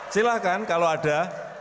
silahkan kalau ada